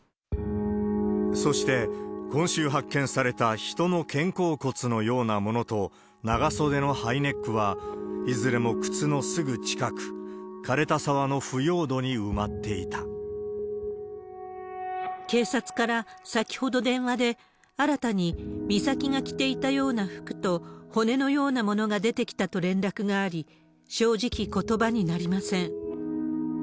そして、今週発見された人の肩甲骨のようなものと長袖のハイネックは、いずれも靴のすぐ近く、警察から、先ほど電話で、新たに、美咲が着ていたような服と、骨のようなものが出てきたと連絡があり、正直、ことばになりません。